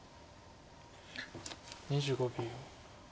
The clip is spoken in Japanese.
２５秒。